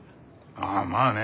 ああまあね。